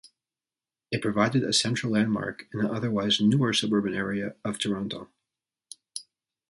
It provided a central landmark in an otherwise newer suburban area of Toronto.